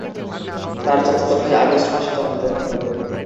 তার চাচাতো ভাই আগস্ট মাসে জন্মগ্রহণ করে।